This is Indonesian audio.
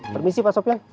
permisi pak sopyan